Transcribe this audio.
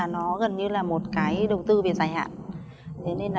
nó gần như là một đồng tư về giải hạn